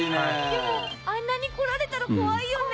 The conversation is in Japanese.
でもあんなに来られたら怖いよね。